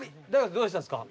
どうしたんすか？